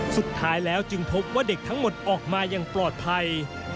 สุดท้ายแล้วจึงพบว่าเด็กทั้งหมดออกมาอย่างปลอดภัย